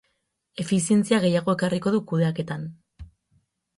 Efizientzia gehiago ekarriko du kudeaketan.